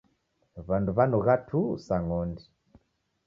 W'andu w'anugha tuu sa ng'ondi.